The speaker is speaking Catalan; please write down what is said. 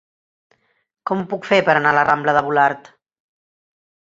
Com ho puc fer per anar a la rambla de Volart?